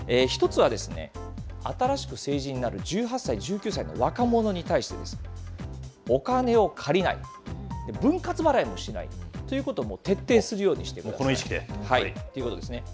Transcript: １つは、新しく成人になる１８歳、１９歳の若者に対してです。お金を借りない、分割払いもしないということを徹底するようにしてください。ということですね。